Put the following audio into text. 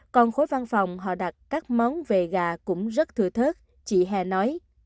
còn khối văn phòng họ đặt các món về gà cũng rất thừa thớt chị hè nói